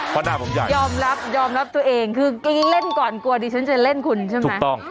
พอด้านผมใหญ่ยอมรับยอมรับตัวเองคือเล่นก่อนกลัวดิฉันจะเล่นคุณใช่ไหมถูกต้อง